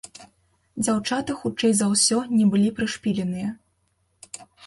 Дзяўчаты хутчэй за ўсё не былі прышпіленыя.